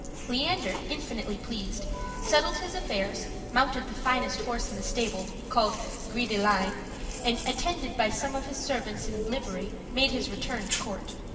Leander, infinitely pleased, settled his affairs, mounted the finest horse in the stable, called Gris de line, and attended by some of his servants in livery, made his return to court.